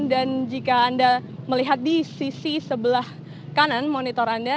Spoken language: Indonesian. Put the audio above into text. dan jika anda melihat di sisi sebelah kanan monitor anda